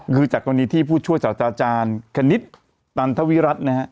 คือจากวันนี้ที่ผู้ช่วยสัตว์อาจารย์คณิตตันทวิรัตินะฮะ